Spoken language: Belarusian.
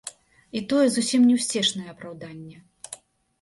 І тое зусім не ўсцешнае апраўданне.